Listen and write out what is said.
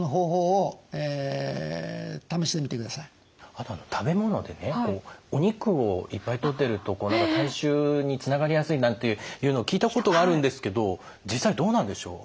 あと食べ物でお肉をいっぱいとってると体臭につながりやすいなんていうのを聞いたことがあるんですけど実際どうなんでしょう？